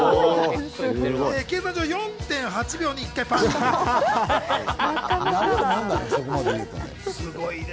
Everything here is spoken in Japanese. お、すごい。